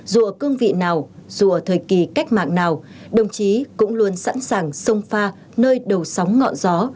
dù ở cương vị nào dùa thời kỳ cách mạng nào đồng chí cũng luôn sẵn sàng sông pha nơi đầu sóng ngọn gió